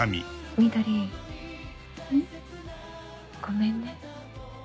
ごめんね。